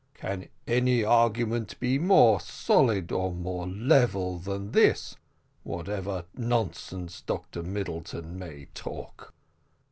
Can any argument be more solid or more level than this, whatever nonsense Dr Middleton may talk?